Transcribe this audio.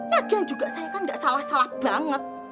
lagian juga saya kan gak salah salah banget